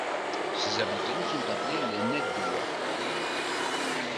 Ses habitants sont appelés les Neddois.